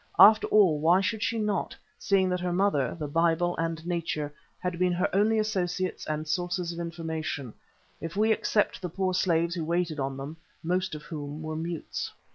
After all, why should she not, seeing that her mother, the Bible and Nature had been her only associates and sources of information, if we except the poor slaves who waited on them, most of whom were mutes.